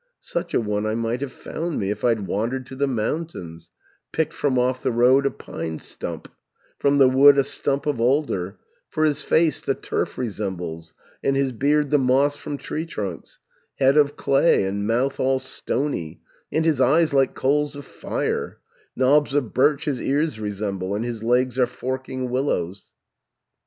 680 "'Such a one I might have found me, If I'd wandered to the mountains, Picked from off the road a pine stump, From the wood a stump of alder, For his face the turf resembles, And his beard the moss from tree trunks, Head of clay, and mouth all stony, And his eyes like coals of fire, Knobs of birch his ears resemble, And his legs are forking willows.'